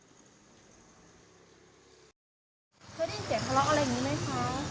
ได้ยินเสียงทะเลาะอะไรอย่างนี้ไหมคะ